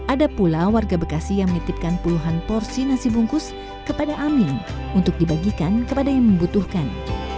ada pula warga bekasi yang menitipkan puluhan porsi nasi bungkus kepada amin untuk dibagikan kepada yang membutuhkan